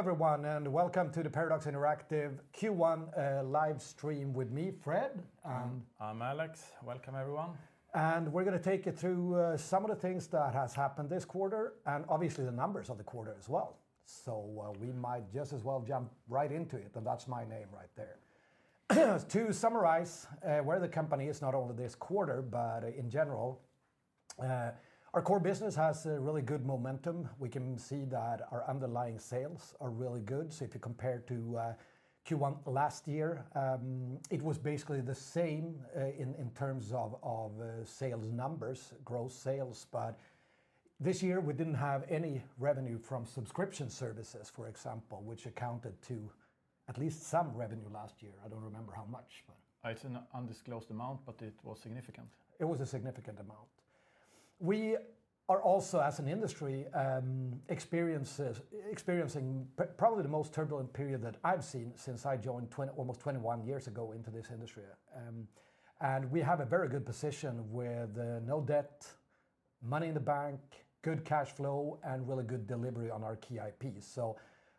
Hello everyone, and welcome to the Paradox Interactive Q1 livestream with me, Fred. I'm Alex. Welcome everyone. We're going to take you through some of the things that have happened this quarter, and obviously the numbers of the quarter as well. We might just as well jump right into it, and that's my name right there. To summarize where the company is not only this quarter but in general, our core business has really good momentum. We can see that our underlying sales are really good. If you compare to Q1 last year, it was basically the same in terms of sales numbers, gross sales. But this year we didn't have any revenue from subscription services, for example, which accounted to at least some revenue last year. I don't remember how much. It's an undisclosed amount, but it was significant. It was a significant amount. We are also, as an industry, experiencing probably the most turbulent period that I've seen since I joined almost 21 years ago into this industry. We have a very good position with no debt, money in the bank, good cash flow, and really good delivery on our key IPs.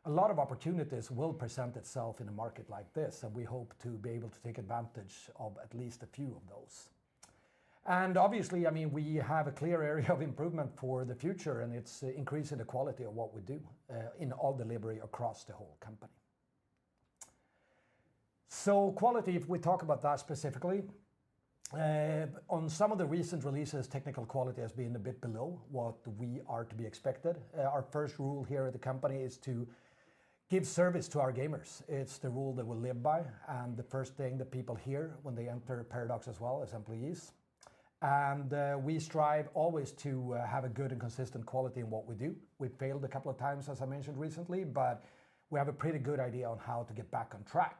A lot of opportunities will present itself in a market like this, and we hope to be able to take advantage of at least a few of those. Obviously, we have a clear area of improvement for the future, and it's increasing the quality of what we do in all delivery across the whole company. Quality, if we talk about that specifically... On some of the recent releases, technical quality has been a bit below what we are to be expected. Our first rule here at the company is to give service to our gamers. It's the rule that we live by, and the first thing that people hear when they enter Paradox as well, as employees. We strive always to have a good and consistent quality in what we do. We failed a couple of times, as I mentioned recently, but we have a pretty good idea on how to get back on track.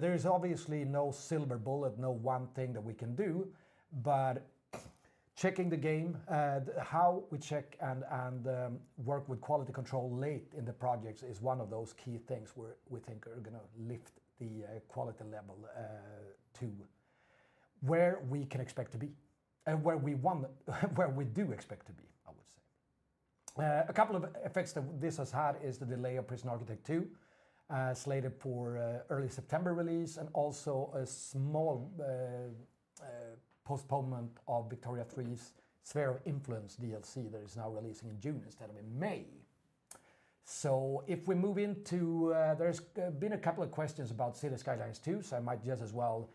There's obviously no silver bullet, no one thing that we can do. But checking the game, how we check and work with quality control late in the projects is one of those key things we think are going to lift the quality level to where we can expect to be, and where we do expect to be, I would say. A couple of effects that this has had is the delay of Prison Architect 2, slated for early September release, and also a small postponement of Victoria 3's Sphere of Influence DLC that is now releasing in June instead of in May. If we move into... There's been a couple of questions about Cities: Skylines II, so I might just as well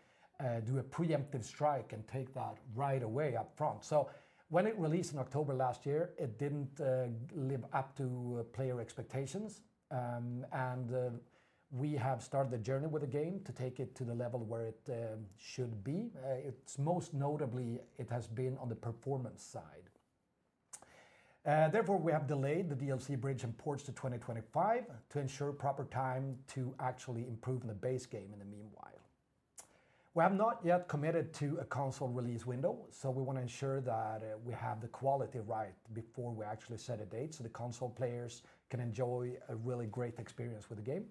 do a preemptive strike and take that right away upfront. When it released in October last year, it didn't live up to player expectations. We have started the journey with the game to take it to the level where it should be. Most notably, it has been on the performance side. Therefore, we have delayed the DLC Bridges & Ports to 2025 to ensure proper time to actually improve on the base game in the meanwhile. We have not yet committed to a console release window, so we want to ensure that we have the quality right before we actually set a date so the console players can enjoy a really great experience with the game.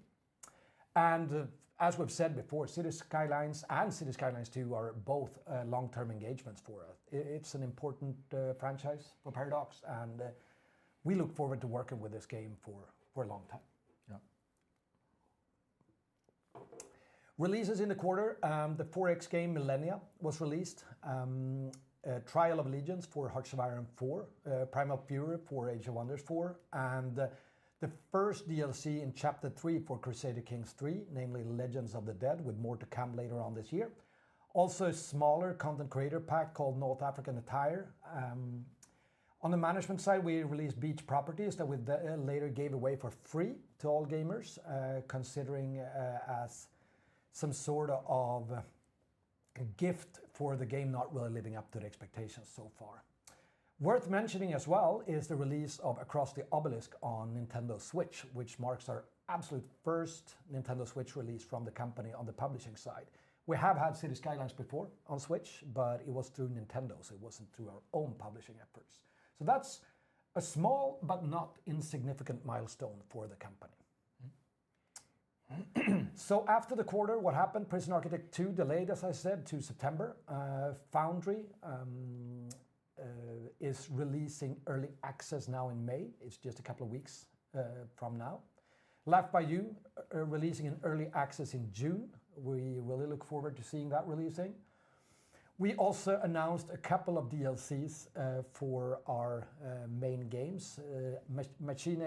As we've said before, Cities: Skylines and Cities: Skylines 2 are both long-term engagements for us. It's an important franchise for Paradox, and we look forward to working with this game for a long time. Releases in the quarter: The 4X game Millennia was released, Trial of Allegiance for Hearts of Iron IV, Primal Fury for Age of Wonders 4, and the first DLC in Chapter 3 for Crusader Kings 3, namely Legends of the Dead, with more to come later on this year. Also, a smaller content creator pack called North African Attire. On the management side, we released Beach Properties that we later gave away for free to all gamers, considering as some sort of gift for the game not really living up to the expectations so far. Worth mentioning as well is the release of Across the Obelisk on Nintendo Switch, which marks our absolute first Nintendo Switch release from the company on the publishing side. We have had Cities: Skylines before on Switch, but it was through Nintendo, so it wasn't through our own publishing efforts. That's a small but not insignificant milestone for the company. After the quarter, what happened? Prison Architect 2 delayed, as I said, to September. Foundry is releasing Early Access now in May. It's just a couple of weeks from now. Life by You, releasing in Early Access in June. We really look forward to seeing that releasing. We also announced a couple of DLCs for our main games: Machine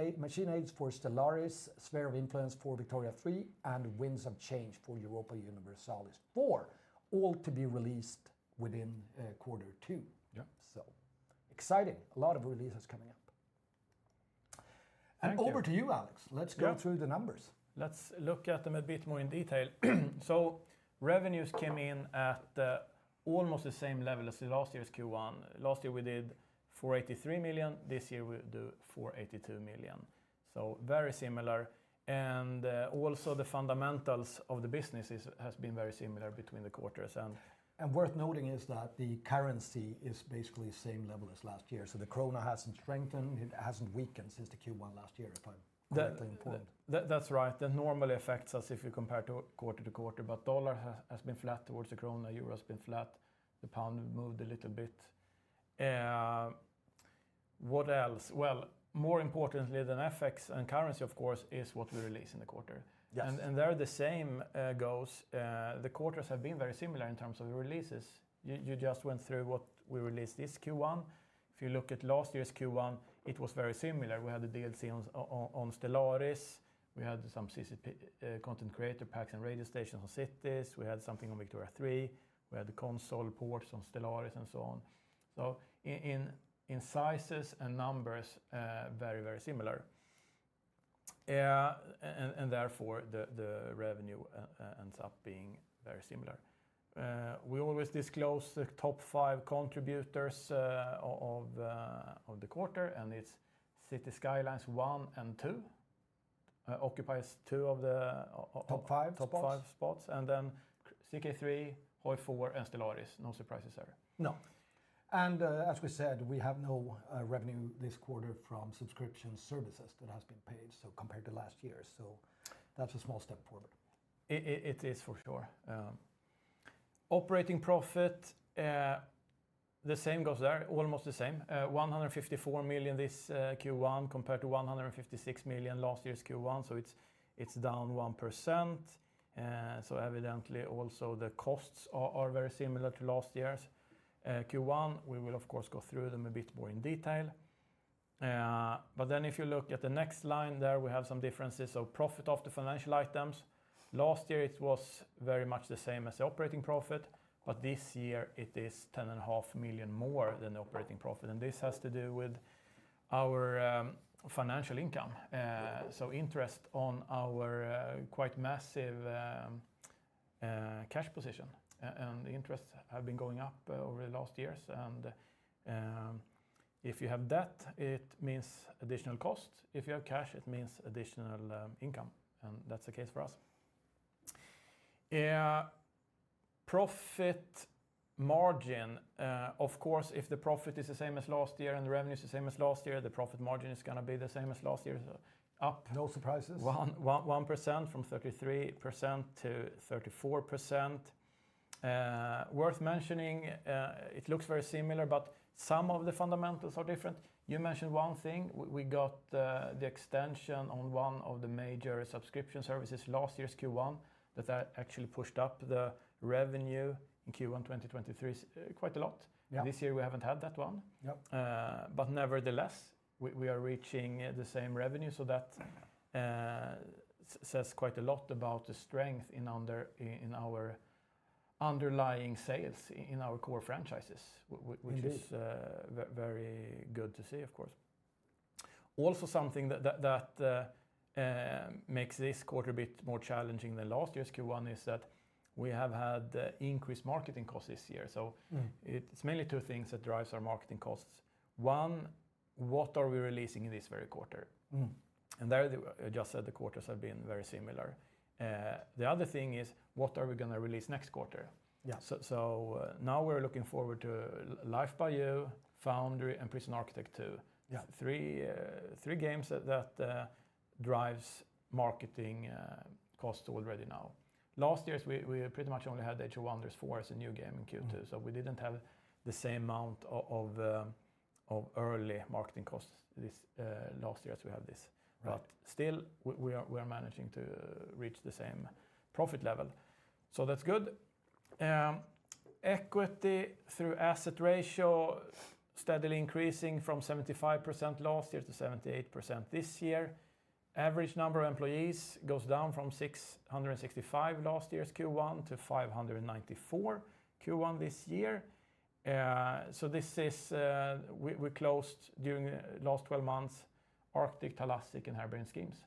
Age for Stellaris, Sphere of Influence for Victoria 3, and Winds of Change for Europa Universalis IV, all to be released within Q2. Exciting! A lot of releases coming up. Over to you, Alex. Let's go through the numbers. Let's look at them a bit more in detail. Revenues came in at almost the same level as last year's Q1. Last year we did 483 million, this year we do 482 million. Very similar. Also, the fundamentals of the business have been very similar between the quarters. Worth noting is that the currency is basically the same level as last year. The krona hasn't strengthened. It hasn't weakened since the Q1 last year, if I'm correctly informed. That's right. That normally affects us if you compare to quarter-to-quarter. But the US dollar has been flat towards the Swedish krona, the euro has been flat, the British pound moved a little bit. What else? Well, more importantly than FX and currency, of course, is what we release in the quarter. There the same goes. The quarters have been very similar in terms of releases. You just went through what we released this Q1. If you look at last year's Q1, it was very similar. We had the DLC on Stellaris, we had some CCP content creator packs and radio stations on Cities, we had something on Victoria 3, we had the console ports on Stellaris and so on. In sizes and numbers, very, very similar. Therefore, the revenue ends up being very similar. We always disclose the top five contributors of the quarter, and it's Cities: Skylines 1 and 2. Occupies two of the top five spots. Then CK3, HOI4, and Stellaris. No surprises there. As we said, we have no revenue this quarter from subscription services that has been paid, compared to last year. That's a small step forward. It is, for sure. Operating profit... The same goes there, almost the same. 154 million this Q1 compared to 156 million last year's Q1, so it's down 1%. Evidently, also, the costs are very similar to last year's Q1. We will, of course, go through them a bit more in detail. But then if you look at the next line there, we have some differences. Profit before the financial items. Last year it was very much the same as the operating profit, but this year it is 10.5 million more than the operating profit. This has to do with our financial income, so interest on our quite massive cash position. Interests have been going up over the last years. If you have debt, it means additional cost. If you have cash, it means additional income. That's the case for us. Profit margin... Of course, if the profit is the same as last year and the revenue is the same as last year, the profit margin is going to be the same as last year, up 1% from 33%-34%. Worth mentioning, it looks very similar, but some of the fundamentals are different. You mentioned one thing. We got the extension on one of the major subscription services last year's Q1 that actually pushed up the revenue in Q1 2023 quite a lot. This year we haven't had that one. But nevertheless, we are reaching the same revenue. That says quite a lot about the strength in our underlying sales in our core franchises, which is very good to see, of course. Also, something that makes this quarter a bit more challenging than last year's Q1 is that we have had increased marketing costs this year. It's mainly two things that drive our marketing costs. One, what are we releasing in this very quarter? I just said the quarters have been very similar. The other thing is, what are we going to release next quarter? Now we're looking forward to Life by You, Foundry, and Prison Architect 2. Three games that drive marketing costs already now. Last year we pretty much only had Age of Wonders 4 as a new game in Q2, so we didn't have the same amount of early marketing costs last year as we have this. But still, we are managing to reach the same profit level. That's good. Equity-to-assets ratio steadily increasing from 75% last year to 78% this year. Average number of employees goes down from 665 last year's Q1 to 594 Q1 this year. We closed during the last 12 months Arctic, Thalassic, and Harebrained Schemes.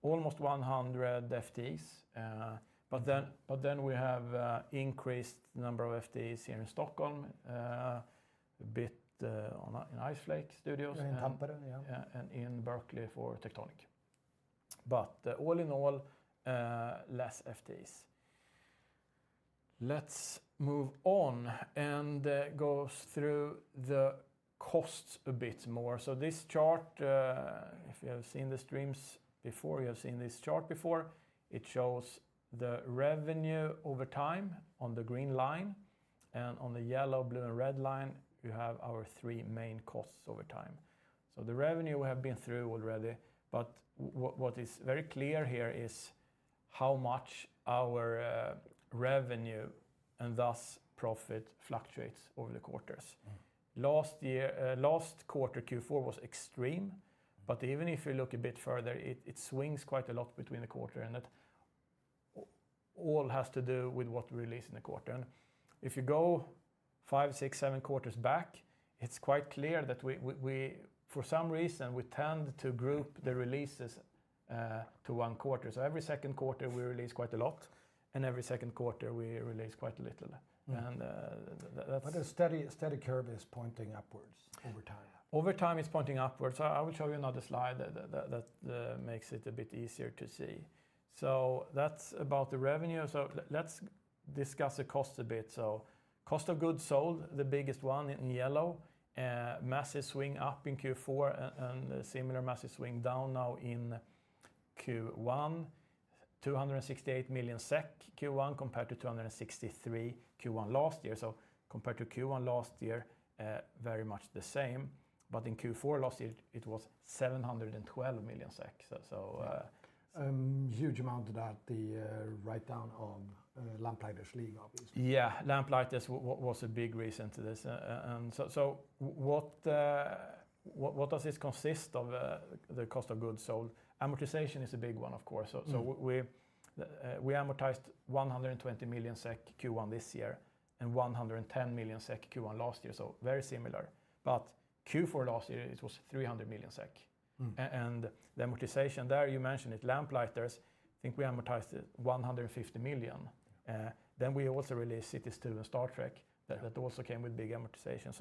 Almost 100 FTEs. But then we have increased the number of FTEs here in Stockholm, a bit in Iceflake Studios, and in Berkeley for Tectonic. But all in all, less FTEs. Let's move on and go through the costs a bit more. This chart... If you have seen the streams before, you have seen this chart before. It shows the revenue over time on the green line. On the yellow, blue, and red line, you have our three main costs over time. The revenue we have been through already. But what is very clear here is how much our revenue and thus profit fluctuates over the quarters. Last quarter, Q4, was extreme. But even if you look a bit further, it swings quite a lot between the quarters. All has to do with what we release in the quarter. If you go five, six, seven quarters back, it's quite clear that we, for some reason, tend to group the releases to one quarter. Every second quarter we release quite a lot, and every second quarter we release quite a little. But a steady curve is pointing upwards over time. Over time, it's pointing upwards. I will show you another slide that makes it a bit easier to see. That's about the revenue. Let's discuss the costs a bit. Cost of goods sold, the biggest one in yellow. Massive swing up in Q4 and a similar massive swing down now in Q1. 268 million SEK Q1 compared to 263 million Q1 last year. Compared to Q1 last year, very much the same. But in Q4 last year, it was 712 million SEK. Huge amount of that, the write-down of Lamplighters League, obviously. Yeah, Lamplighters was a big reason to this. What does this consist of? The cost of goods sold. Amortization is a big one, of course. We amortized 120 million SEK Q1 this year and 110 million SEK Q1 last year, so very similar. But Q4 last year, it was 300 million SEK. The amortization there, you mentioned it, Lamplighters, I think we amortized it 150 million. Then we also released Cities 2 and Star Trek that also came with big amortization.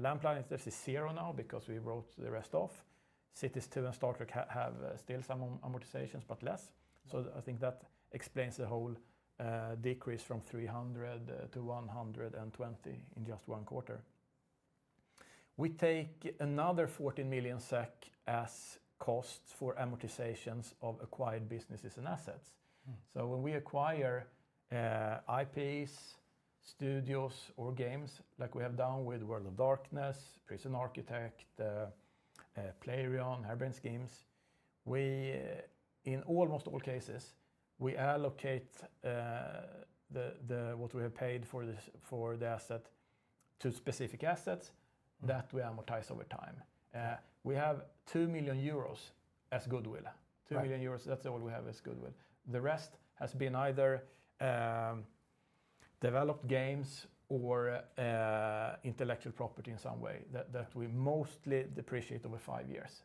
Lamplighters is zero now because we wrote the rest off. Cities 2 and Star Trek have still some amortizations but less. I think that explains the whole decrease from 300 to 120 in just one quarter. We take another 14 million SEK as costs for amortizations of acquired businesses and assets. When we acquire IPs, studios, or games, like we have done with World of Darkness, Prison Architect, Playrion, Harebrained Schemes, in almost all cases, we allocate what we have paid for the asset to specific assets that we amortize over time. We have 2 million euros as goodwill. 2 million euros, that's all we have as goodwill. The rest has been either developed games or intellectual property in some way that we mostly depreciate over five years.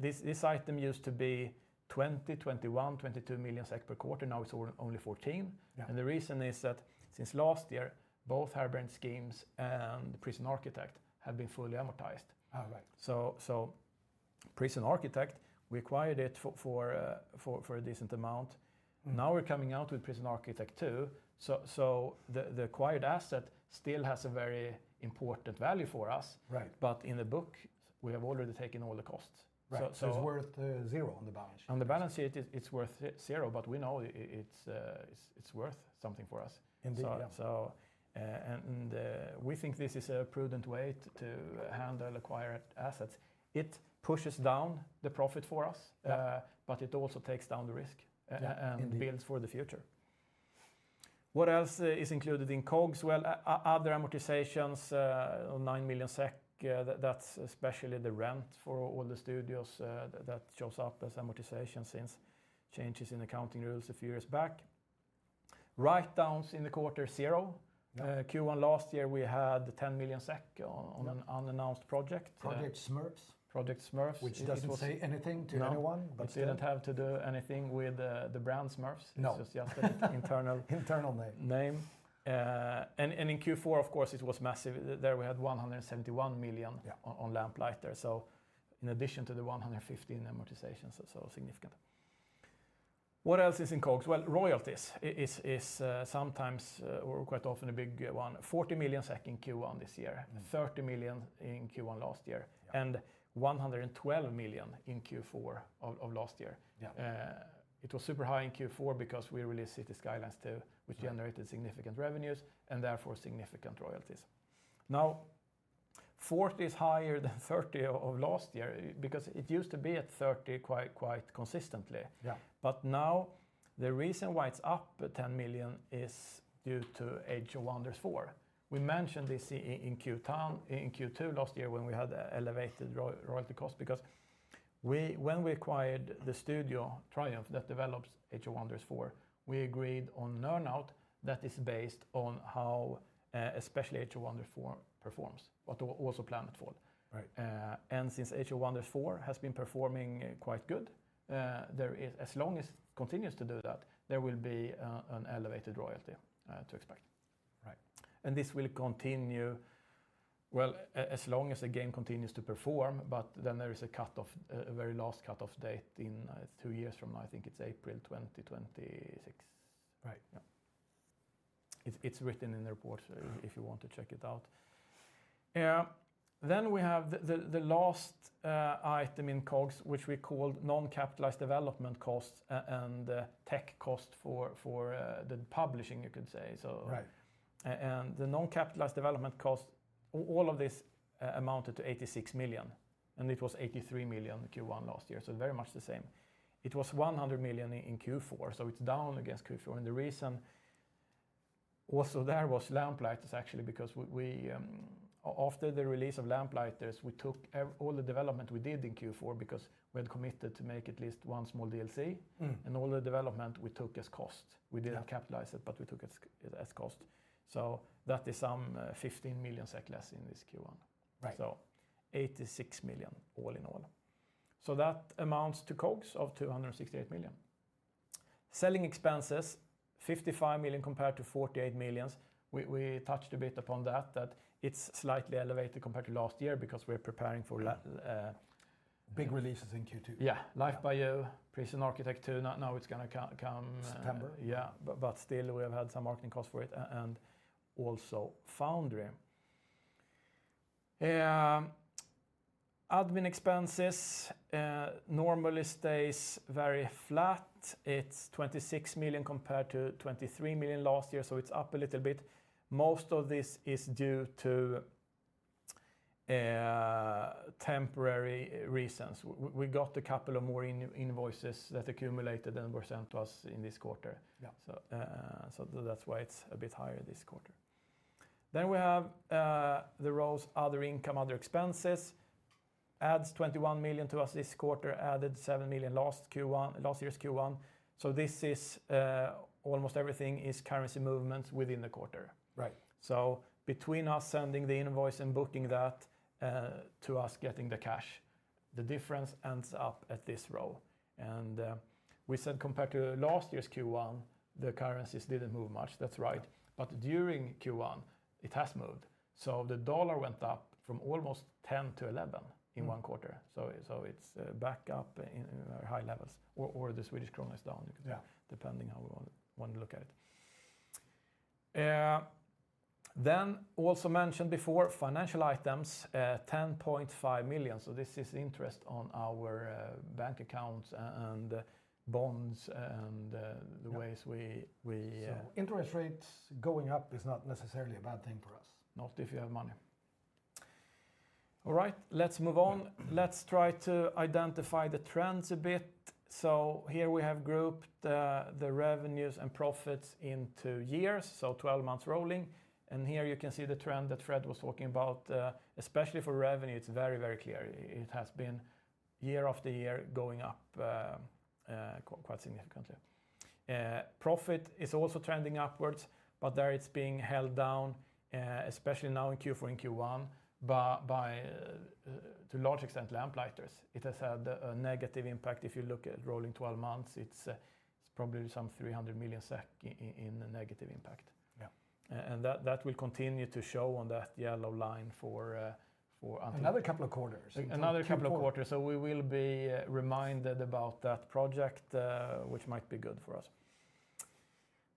This item used to be 20 million, 21 million, 22 million per quarter. Now it's only 14 million SEK. The reason is that since last year, both Harbour Inn schemes and Prison Architect have been fully amortized. Prison Architect, we acquired it for a decent amount. Now we're coming out with Prison Architect 2. The acquired asset still has a very important value for us. But in the book, we have already taken all the costs. It's worth zero on the balance sheet. On the balance sheet, it's worth zero, but we know it's worth something for us. We think this is a prudent way to handle acquired assets. It pushes down the profit for us, but it also takes down the risk and builds for the future. What else is included in COGS? Other amortizations, 9 million SEK. That's especially the rent for all the studios that shows up as amortization since changes in accounting rules a few years back. Write-downs in the quarter, zero. Q1 last year, we had 10 million SEK on an unannounced project. Project Smurfs. Project Smurfs. Which doesn't say anything to anyone. It didn't have to do anything with the brand Smurfs. It was just an internal name. In Q4, of course, it was massive. There we had 171 million on Lamplighters, in addition to the 115 million amortizations, so significant. What else is in COGS? Royalties is sometimes, or quite often, a big one. 40 million SEK in Q1 this year, 30 million in Q1 last year, and 112 million in Q4 of last year. It was super high in Q4 because we released Cities: Skylines 2, which generated significant revenues and therefore significant royalties. Now, 40 is higher than 30 of last year because it used to be at 30 quite consistently. But now, the reason why it's up 10 million is due to Age of Wonders 4. We mentioned this in Q2 last year when we had elevated royalty costs. When we acquired the studio Triumph that develops Age of Wonders 4, we agreed on an earn-out that is based on how especially Age of Wonders 4 performs, but also Planetfall. Since Age of Wonders 4 has been performing quite good, as long as it continues to do that, there will be an elevated royalty to expect. This will continue as long as the game continues to perform, but then there is a cutoff, a very last cutoff date in two years from now. I think it's April 2026. It's written in the reports if you want to check it out. Then we have the last item in COGS, which we called non-capitalized development costs and tech costs for the publishing, you could say. The non-capitalized development costs, all of this amounted to 86 million. It was 83 million Q1 last year, so very much the same. It was 100 million in Q4, so it's down against Q4. The reason also there was Lamplighters, actually, because after the release of Lamplighters, we took all the development we did in Q4 because we had committed to make at least one small DLC. All the development we took as cost. We didn't capitalize it, but we took it as cost. That is some 15 million SEK less in this Q1. 86 million all in all. That amounts to COGS of 268 million. Selling expenses, 55 million compared to 48 million. We touched a bit upon that, that it's slightly elevated compared to last year because we're preparing for... Big releases in Q2. Yeah, Life by You, Prison Architect 2. Now it's going to come... September. Yeah, but still we have had some marketing costs for it and also Foundry. Admin expenses normally stay very flat. It's 26 million compared to 23 million last year, so it's up a little bit. Most of this is due to temporary reasons. We got a couple of more invoices that accumulated and were sent to us in this quarter. That's why it's a bit higher this quarter. Then we have the rows other income, other expenses. Adds 21 million to us this quarter, added 7 million last year's Q1. This is almost everything is currency movements within the quarter. Between us sending the invoice and booking that to us getting the cash, the difference ends up at this row. We said compared to last year's Q1, the currencies didn't move much. That's right. But during Q1, it has moved. The dollar went up from almost 10 to 11 in one quarter. It's back up at high levels, or the Swedish krona is down, depending on how you want to look at it. Then also mentioned before, financial items, 10.5 million. This is interest on our bank accounts and bonds and the ways we... Interest rates going up is not necessarily a bad thing for us. Not if you have money. All right, let's move on. Let's try to identify the trends a bit. Here we have grouped the revenues and profits into years, so 12 months rolling. Here you can see the trend that Fred was talking about. Especially for revenue, it's very, very clear. It has been year after year going up quite significantly. Profit is also trending upwards, but there it's being held down, especially now in Q4 and Q1, to a large extent, Lamplighters. It has had a negative impact. If you look at rolling 12 months, it's probably some 300 million SEK in negative impact. That will continue to show on that yellow line for... Another couple of quarters. Another couple of quarters. We will be reminded about that project, which might be good for us.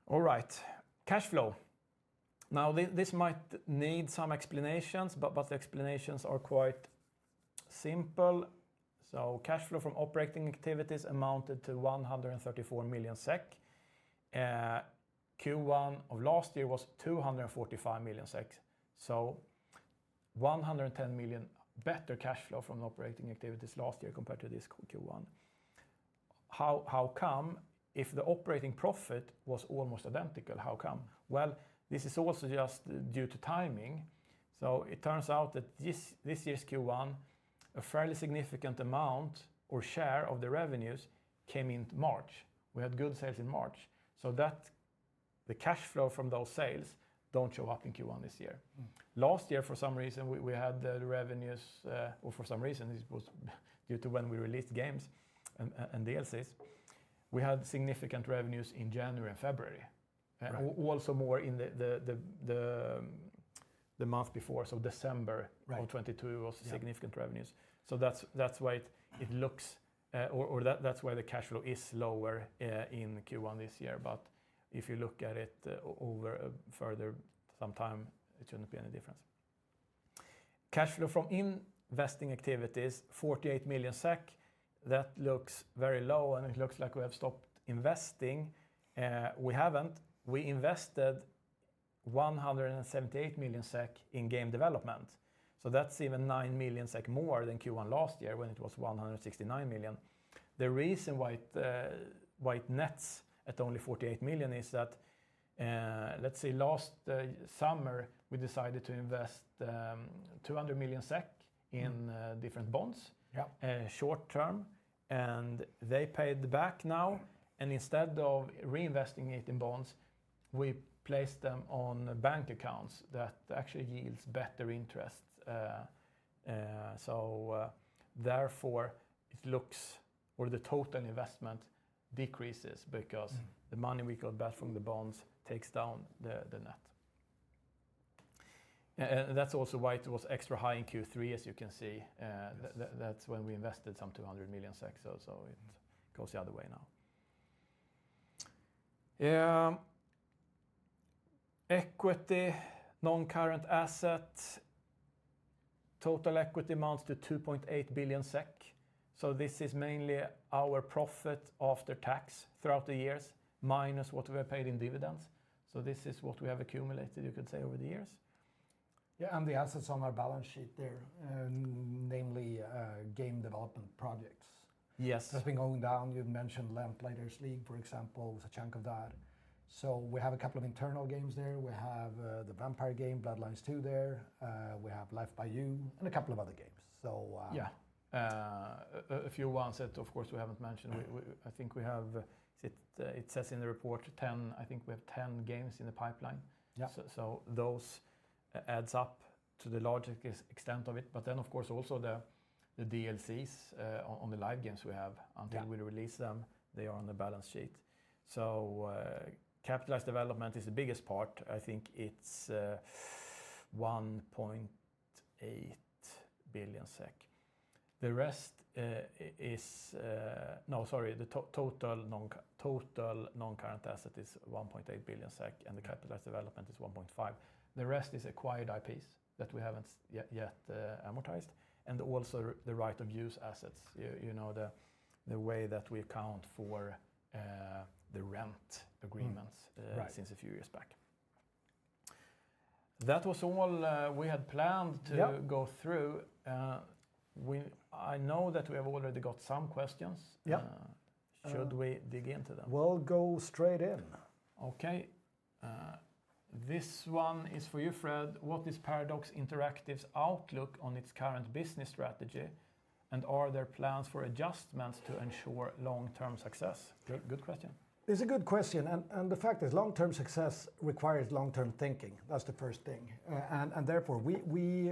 All right, cash flow. Now, this might need some explanations, but the explanations are quite simple. Cash flow from operating activities amounted to 134 million SEK. Q1 of last year was 245 million SEK. 110 million better cash flow from operating activities last year compared to this Q1. How come? If the operating profit was almost identical, how come? Well, this is also just due to timing. It turns out that this year's Q1, a fairly significant amount or share of the revenues came in March. We had good sales in March. The cash flow from those sales doesn't show up in Q1 this year. Last year, for some reason, we had revenues, or for some reason, it was due to when we released games and DLCs. We had significant revenues in January and February, also more in the month before. December 2022 was significant revenues. That's why it looks, or that's why the cash flow is lower in Q1 this year. But if you look at it over further some time, it shouldn't be any difference. Cash flow from investing activities, 48 million SEK. That looks very low, and it looks like we have stopped investing. We haven't. We invested 178 million SEK in game development. That's even 9 million SEK more than Q1 last year when it was 169 million. The reason why it nets at only 48 million is that, let's say, last summer, we decided to invest 200 million SEK in different bonds short term. They paid back now, and instead of reinvesting it in bonds, we placed them on bank accounts that actually yield better interest. Therefore, it looks like the total investment decreases because the money we got back from the bonds takes down the net. That's also why it was extra high in Q3, as you can see. That's when we invested some 200 million. It goes the other way now. Equity, non-current asset. Total equity amounts to 2.8 billion SEK. This is mainly our profit after tax throughout the years, minus what we have paid in dividends. This is what we have accumulated, you could say, over the years. Yeah, and the assets on our balance sheet there, namely game development projects. Yes. That's been going down. You've mentioned Lamplighters League, for example, was a chunk of that. We have a couple of internal games there. We have the vampire game, Bloodlines 2 there. We have Life by You and a couple of other games. Yeah, a few ones that, of course, we haven't mentioned. I think we have; it says in the report, 10, I think we have 10 games in the pipeline. Those add up to the larger extent of it. But then, of course, also the DLCs on the live games we have. Until we release them, they are on the balance sheet. Capitalized development is the biggest part. I think it's 1.8 billion SEK. The rest is, no, sorry, the total non-current asset is 1.8 billion SEK, and the capitalized development is 1.5 billion. The rest is acquired IPs that we haven't yet amortized, and also the right of use assets. You know the way that we account for the rent agreements since a few years back. That was all we had planned to go through. I know that we have already got some questions. Should we dig into them? We'll go straight in. Okay. This one is for you, Fred. What does Paradox Interactive's outlook on its current business strategy? Are there plans for adjustments to ensure long-term success? Good question. It's a good question. The fact is, long-term success requires long-term thinking. That's the first thing. Therefore, we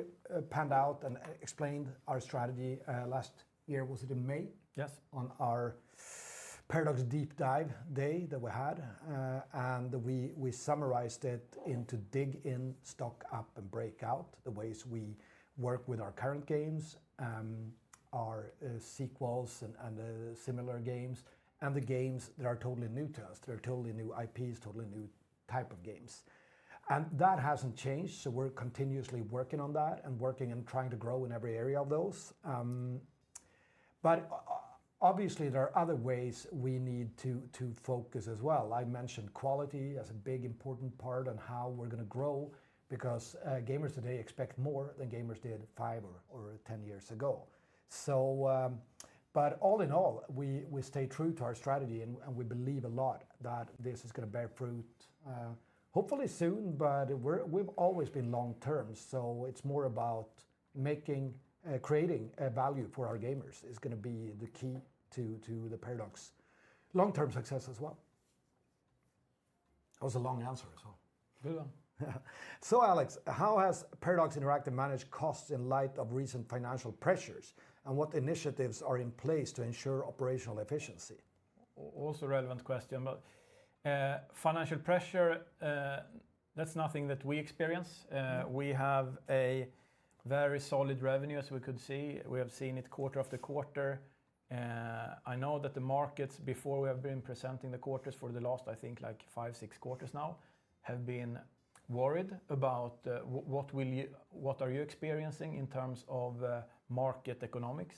panned out and explained our strategy last year. Was it in May? Yes. On our Paradox Deep Dive Day that we had. We summarized it into dig in, stock up, and breakout, the ways we work with our current games, our sequels and similar games, and the games that are totally new to us. They're totally new IPs, totally new type of games. That hasn't changed, so we're continuously working on that and working and trying to grow in every area of those. But obviously, there are other ways we need to focus as well. I mentioned quality as a big, important part on how we're going to grow because gamers today expect more than gamers did 5 or 10 years ago. But all in all, we stay true to our strategy, and we believe a lot that this is going to bear fruit, hopefully soon. We've always been long-term, so it's more about creating value for our gamers is going to be the key to the Paradox long-term success as well. That was a long answer as well. Good one. Alex, how has Paradox Interactive managed costs in light of recent financial pressures? What initiatives are in place to ensure operational efficiency? Also, relevant question. Financial pressure, that's nothing that we experience. We have very solid revenue, as we could see. We have seen it quarter after quarter. I know that the markets, before we have been presenting the quarters for the last, I think, like 5, 6 quarters now, have been worried about what are you experiencing in terms of market economics.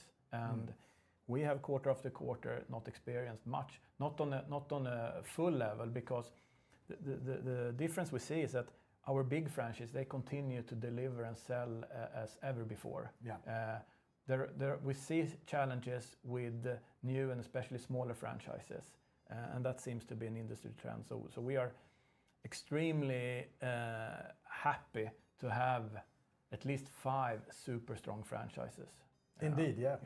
We have quarter after quarter not experienced much, not on a full level because the difference we see is that our big franchises, they continue to deliver and sell as ever before. We see challenges with new and especially smaller franchises, and that seems to be an industry trend. We are extremely happy to have at least five super strong franchises. Indeed, yeah.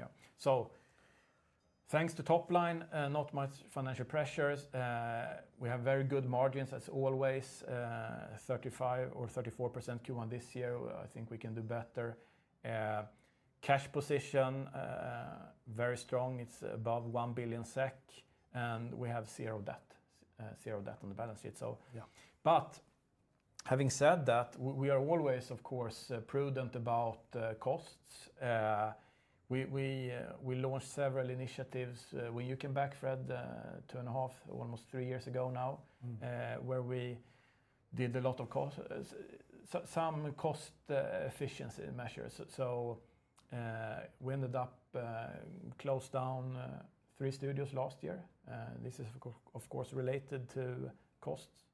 Thanks to top line, not much financial pressures. We have very good margins, as always, 35% or 34% Q1 this year. I think we can do better. Cash position, very strong. It's above 1 billion SEK, and we have zero debt on the balance sheet. But having said that, we are always, of course, prudent about costs. We launched several initiatives when you came back, Fred, two and a half, almost three years ago now, where we did a lot of some cost efficiency measures. We ended up closing down three studios last year. This is, of course, related to costs.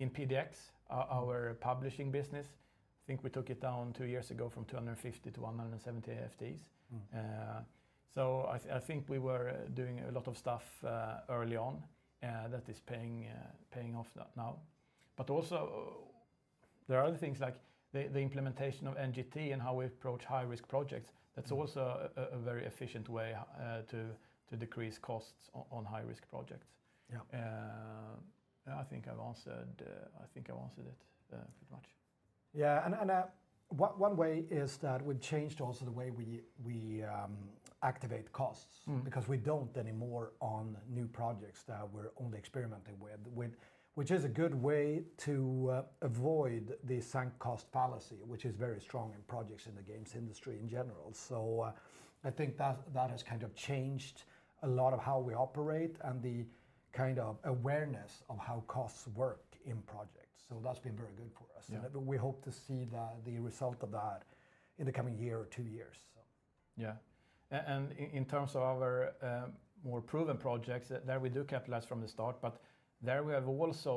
In PDX, our publishing business, I think we took it down two years ago from 250 to 170 FTEs. I think we were doing a lot of stuff early on that is paying off now. Also, there are other things like the implementation of NGT and how we approach high-risk projects. That's also a very efficient way to decrease costs on high-risk projects. I think I've answered it pretty much. Yeah, one way is that we've changed also the way we activate costs because we don't anymore on new projects that we're only experimenting with, which is a good way to avoid the sunk cost fallacy, which is very strong in projects in the games industry in general. I think that has kind of changed a lot of how we operate and the kind of awareness of how costs work in projects. That's been very good for us. We hope to see the result of that in the coming year or two years. Yeah, and in terms of our more proven projects, there we do capitalize from the start. But there we have also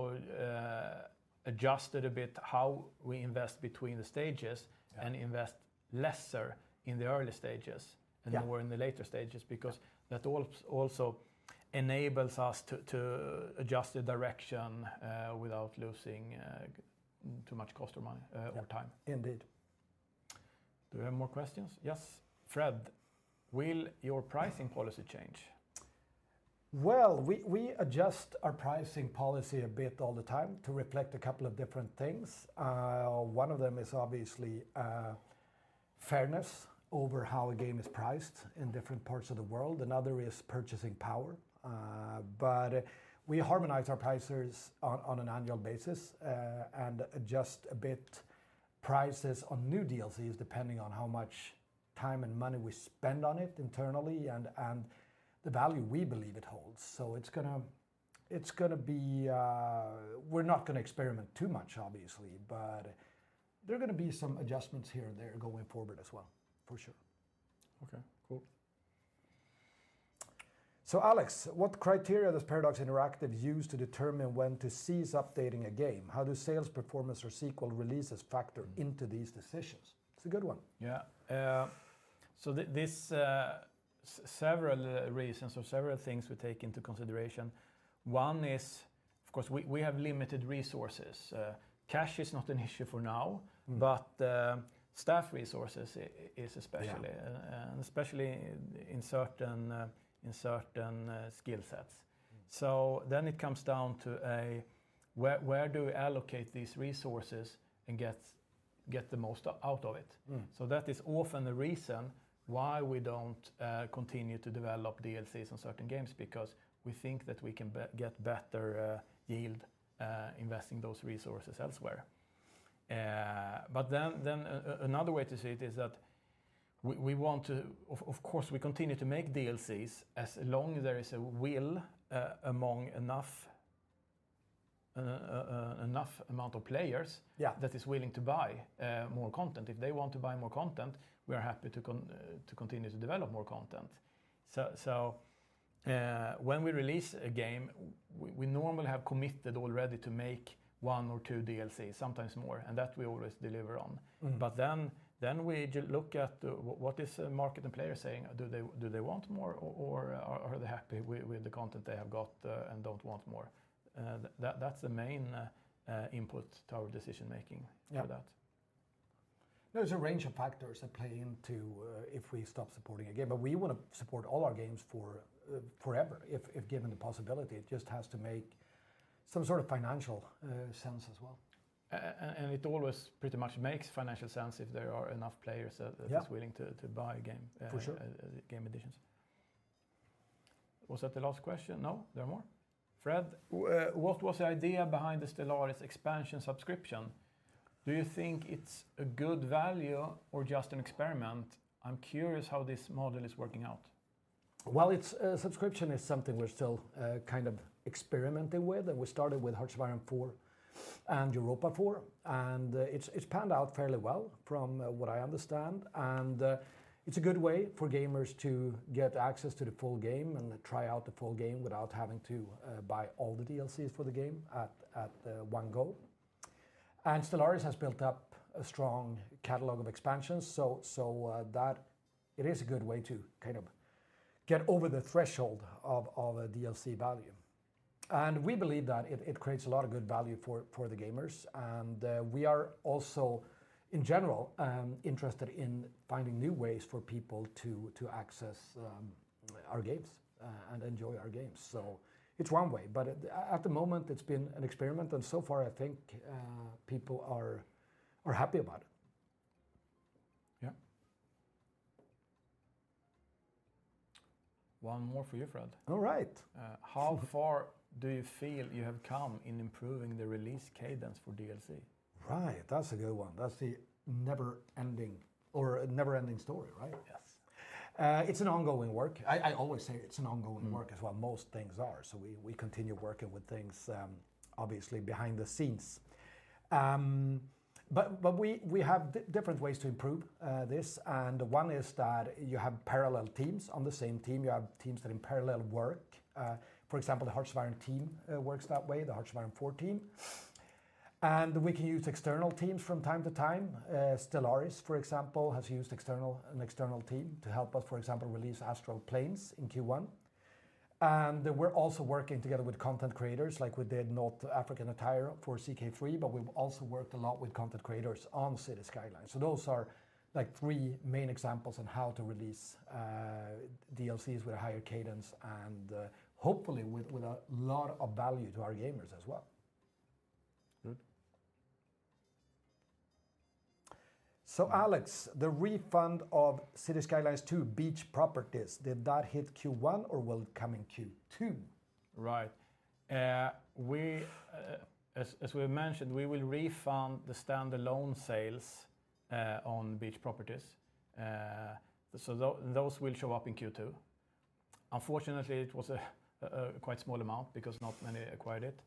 adjusted a bit how we invest between the stages and invest lesser in the early stages and more in the later stages because that also enables us to adjust the direction without losing too much cost or money or time. Indeed. Do we have more questions? Yes. Fred, will your pricing policy change? Well, we adjust our pricing policy a bit all the time to reflect a couple of different things. One of them is obviously fairness over how a game is priced in different parts of the world. Another is purchasing power. But we harmonize our prices on an annual basis and adjust a bit prices on new DLCs depending on how much time and money we spend on it internally and the value we believe it holds. We're not going to experiment too much, obviously, but there are going to be some adjustments here and there going forward as well, for sure. Okay, cool. Alex, what criteria does Paradox Interactive use to determine when to cease updating a game? How do sales performance or sequel releases factor into these decisions? It's a good one. Yeah, there are several reasons or several things we take into consideration. One is, of course, we have limited resources. Cash is not an issue for now, but staff resources especially, especially in certain skill sets. Then it comes down to where do we allocate these resources and get the most out of it. That is often the reason why we don't continue to develop DLCs on certain games because we think that we can get better yield investing those resources elsewhere. But then another way to see it is that we want to, of course, we continue to make DLCs as long as there is a will among enough amount of players that is willing to buy more content. If they want to buy more content, we are happy to continue to develop more content. When we release a game, we normally have committed already to make one or two DLCs, sometimes more, and that we always deliver on. But then we look at what is the market and players saying? Do they want more, or are they happy with the content they have got and don't want more? That's the main input to our decision-making for that. There's a range of factors that play into if we stop supporting a game. We want to support all our games forever, if given the possibility. It just has to make some sort of financial sense as well. It always pretty much makes financial sense if there are enough players that are willing to buy game additions. Was that the last question? No? There are more? Fred, what was the idea behind the Stellaris expansion subscription? Do you think it's a good value or just an experiment? I'm curious how this model is working out. Well, subscription is something we're still kind of experimenting with. We started with Hearts of Iron IV and Europa Universalis IV. It's panned out fairly well, from what I understand. It's a good way for gamers to get access to the full game and try out the full game without having to buy all the DLCs for the game at one go. Stellaris has built up a strong catalog of expansions, so it is a good way to kind of get over the threshold of a DLC value. We believe that it creates a lot of good value for the gamers. We are also, in general, interested in finding new ways for people to access our games and enjoy our games. It's one way, but at the moment, it's been an experiment. So far, I think people are happy about it. Yeah. One more for you, Fred. All right. How far do you feel you have come in improving the release cadence for DLC? Right, that's a good one. That's the never-ending story, right? Yes. It's an ongoing work. I always say it's an ongoing work as well. Most things are. We continue working with things, obviously, behind the scenes. But we have different ways to improve this. One is that you have parallel teams on the same team. You have teams that in parallel work. For example, the Hearts of Iron team works that way, the Hearts of Iron 4 team. We can use external teams from time to time. Stellaris, for example, has used an external team to help us, for example, release Astral Planes in Q1. We're also working together with content creators, like we did North African Attire for CK3, but we've also worked a lot with content creators on Cities: Skylines. Those are three main examples on how to release DLCs with a higher cadence and hopefully with a lot of value to our gamers as well. Good. Alex, the refund of Cities: Skylines 2 Beach Properties, did that hit Q1 or will it come in Q2? Right. As we mentioned, we will refund the standalone sales on Beach Properties. Those will show up in Q2. Unfortunately, it was a quite small amount because not many acquired it.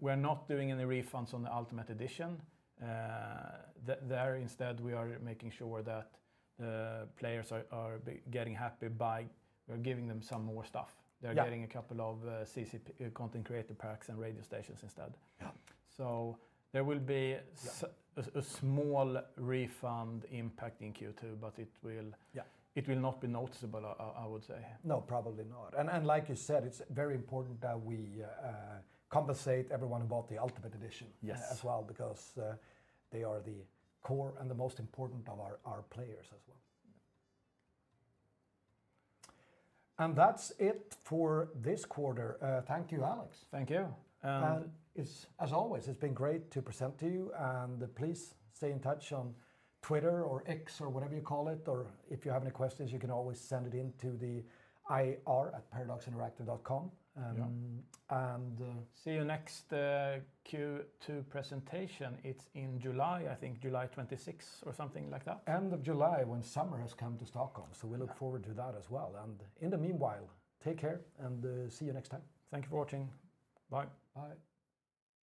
We're not doing any refunds on the Ultimate Edition. There, instead, we are making sure that the players are getting happy by giving them some more stuff. They're getting a couple of CC content creator packs and radio stations instead. There will be a small refund impact in Q2, but it will not be noticeable, I would say. No, probably not. Like you said, it's very important that we compensate everyone about the Ultimate Edition as well because they are the core and the most important of our players as well. That's it for this quarter. Thank you, Alex. Thank you. As always, it's been great to present to you. Please stay in touch on Twitter or X or whatever you call it. If you have any questions, you can always send it into the IR@paradoxinteractive.com. See you next Q2 presentation. It's in July, I think July 26th or something like that. End of July when summer has come to Stockholm. We look forward to that as well. In the meanwhile, take care and see you next time. Thank you for watching. Bye. Bye.